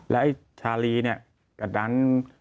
แล้วไอ้ชาลีเนี่ยกระดัน